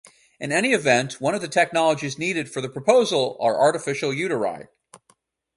In any event, one of the technologies needed for the proposal are artificial uteri.